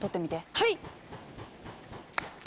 はい！